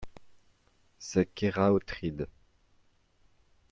C'est Keraotred.